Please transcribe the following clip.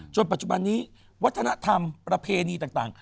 ปัจจุบันนี้วัฒนธรรมประเพณีต่าง